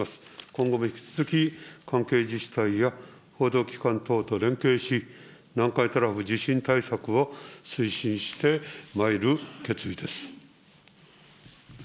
今後も引き続き、関係自治体や報道機関等と連携し、南海トラフ地震対策を推進してまいる決意です。